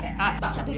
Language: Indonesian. oh apa perlu ya